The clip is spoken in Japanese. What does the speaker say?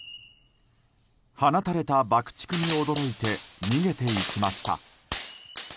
放たれた爆竹に驚いて逃げていきました。